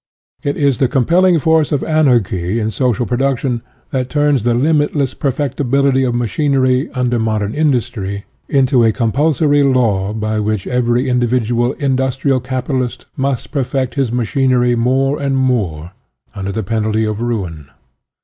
It is the compelling force of anarchy in social pro duction that turns the limitless perfectibility of machinery under modern industry into a compulsory law by which every individual industrial capitalist must perfect his machin ery more and more, under penalty of ruin.